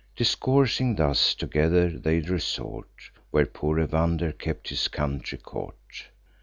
Discoursing thus together, they resort Where poor Evander kept his country court.